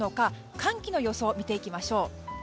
寒気の予想を見てみましょう。